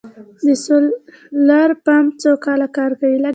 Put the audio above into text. د سولر پمپ څو کاله کار کوي؟